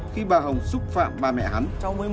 khi bà hồng xúc phạm ba mẹ hắn